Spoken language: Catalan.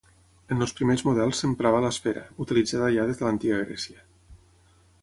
En els primers models s'emprava l'esfera, utilitzada ja des de l'Antiga Grècia.